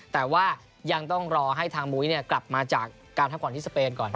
แต่ว่ายังต้องรอให้ทางมุ้ยกลับมาจากการพักผ่อนที่สเปนก่อน